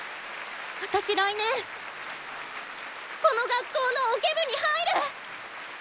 私来年この学校のオケ部に入る！